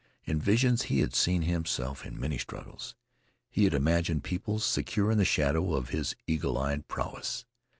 In visions he had seen himself in many struggles. He had imagined peoples secure in the shadow of his eagle eyed prowess.